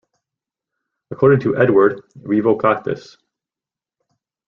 According to Edward, Revocatus.